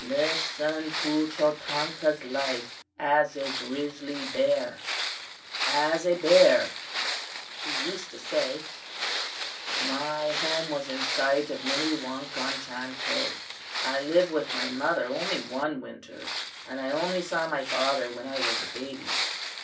"Listen to Chotanka's life as a grizzly bear." "'As a bear,' he used to say, 'my home was in sight of the Minnewakan Chantay. I lived with my mother only one winter, and I only saw my father when I was a baby.